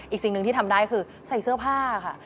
สิ่งหนึ่งที่ทำได้คือใส่เสื้อผ้าค่ะ